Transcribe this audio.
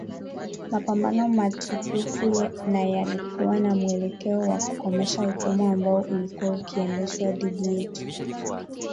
mapambano matukufu na yalikuwa na mwelekeo wa kukomesha utumwa ambao ulikuwa ukiendeshwa dhidi yetu